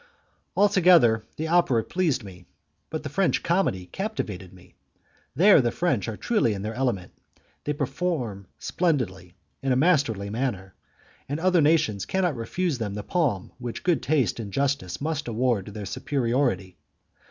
Altogether the opera pleased me, but the French comedy captivated me. There the French are truly in their element; they perform splendidly, in a masterly manner, and other nations cannot refuse them the palm which good taste and justice must award to their superiority.